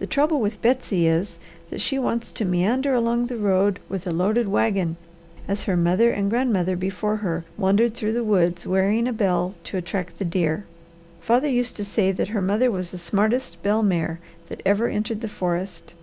The trouble with Betsy is that she wants to meander along the road with a loaded wagon as her mother and grandmother before her wandered through the woods wearing a bell to attract the deer. Father used to say that her mother was the smartest bell mare that ever entered the forest.